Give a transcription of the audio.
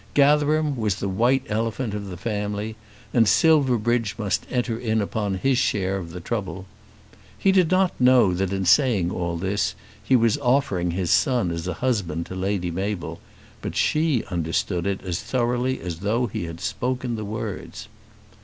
Gatherum was the White Elephant of the family, and Silverbridge must enter in upon his share of the trouble. He did not know that in saying all this he was offering his son as a husband to Lady Mabel, but she understood it as thoroughly as though he had spoken the words.